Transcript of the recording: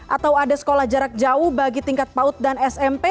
atau ada sekolah jarak jauh bagi tingkat paut dan smp